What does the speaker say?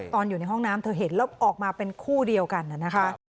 อยู่ในห้องน้ำเธอเห็นแล้วออกมาเป็นคู่เดียวกันนะคะ